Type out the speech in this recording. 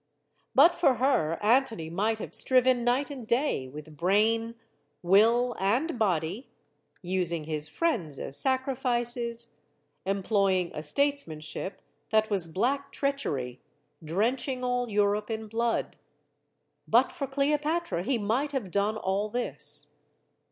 But for her, Antony might have striven night and day, with brain, will, and body, using his friends as sacrifices, employing a statesmanship that was black treachery, drenching all Europe in blood. But for Cleopatra, he might have done all this.